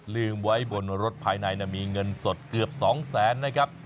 ลืมไว้บนรถภายในมีเงินสดเกือบ๒แสนนะครับ